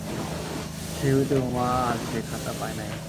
সেই হইতে উমা আর সে খাতা পায় নাই।